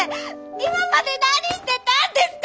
今まで何してたんですか！